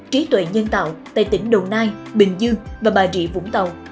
trí tuệ nhân tạo tại tỉnh đồng nai bình dương và bà rịa vũng tàu